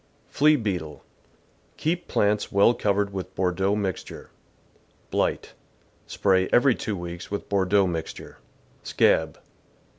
Flea Beetle. — Keep plants well covered with Bordeaux mixture. Blight. — Spray every two weeks with Bordeaux mixture. Scab.